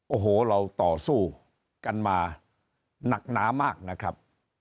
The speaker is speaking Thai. โอ้โหเราต่อสู้กันมาหนักหนามากนะครับ